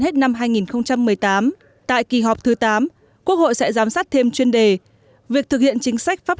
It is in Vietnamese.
hết năm hai nghìn một mươi tám tại kỳ họp thứ tám quốc hội sẽ giám sát thêm chuyên đề việc thực hiện chính sách pháp